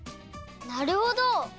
なるほど！